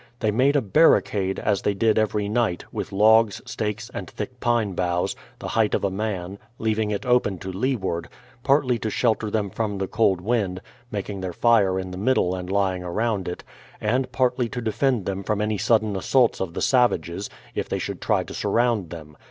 They made a barricade, as they did every night, with logs, stakes, and thick pine boughs, the height of a man, leaving it open to leeward; partly to shelter them from the cold wind, making their fire in the middle and lying around it ; and, partly to defend them from any sudden assaults of the savages, if they should try to surround them.